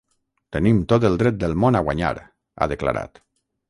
Tenim tot el dret del món a guanyar, ha declarat.